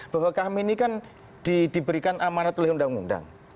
bahwa kami ini kan diberikan amanat oleh undang undang